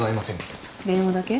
電話だけ？